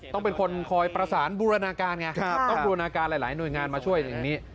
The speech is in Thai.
ต้องเป็นคนคอยประสานบูรณาการไงต้องบูรณาการหลายหน่วยงานมาช่วยอย่างนี้